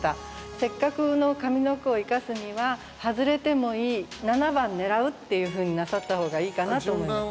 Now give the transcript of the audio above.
せっかくの上の句を生かすには「外れてもいい七番狙う」っていうふうになさった方がいいかなと思います。